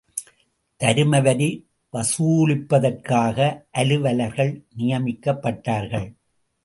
தருமவரி வசூலிப்பதற்காக, அலுவலர்கள் நியமிக்கப்பட்டார்கள்.